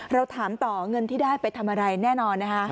เราถามต่อเงินที่ได้ไปทำอะไรแน่นอนนะคะ